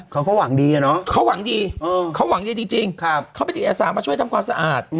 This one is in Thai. เขาก็หวังดีอะเนาะเขาหวังดีเขาหวังดีจริงเขาไปติดอาสามาช่วยทำความสะอาด